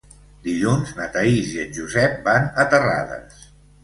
Dilluns na Thaís i en Josep van a Terrades.